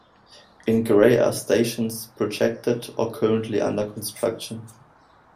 In grey are stations projected or currently under construction.